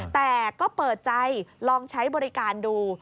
แต่ก็เปิดใจลองใช้บริการดู